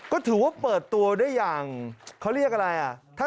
ก็ถือว่าเปิดตัวได้อย่างเขาเรียกอะไรอ่ะ